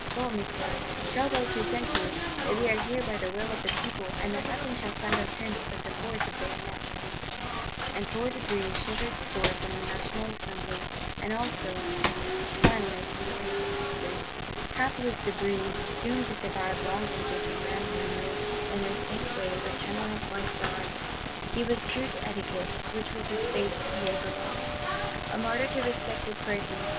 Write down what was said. Go, Monsieur, tell these who sent you that we are here by the will of the People, and that nothing shall send us hence but the force of bayonets!' And poor De Brézé shivers forth from the National Assembly;—and also (if it be not in one faintest glimmer, months later) finally from the page of History!— Hapless De Brézé; doomed to survive long ages, in men's memory, in this faint way, with tremulent white rod! He was true to Etiquette, which was his Faith here below; a martyr to respect of persons.